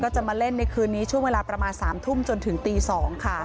จะมาเล่นในคืนนี้ช่วงเวลาประมาณ๓ทุ่มจนถึงตี๒ค่ะ